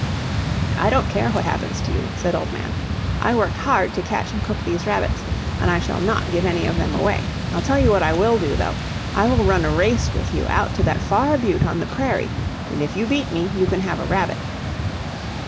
"I don't care what happens to you," said Old Man; "I worked hard to catch and cook these rabbits, and I shall not give any of them away. I'll tell you what I will do, though; I will run a race with you out to that far butte on the prairie, and if you beat me you can have a rabbit."